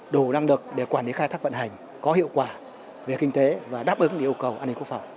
đủ năng lực để quản lý khai thác vận hành có hiệu quả về kinh tế và đáp ứng yêu cầu an ninh quốc phòng